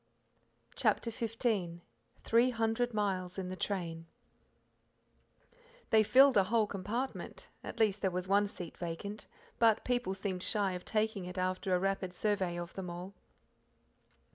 CHAPTER XV Three Hundred Miles in the Train They filled a whole compartment at least there was one seat vacant, but people seemed shy of taking it after a rapid survey of them all.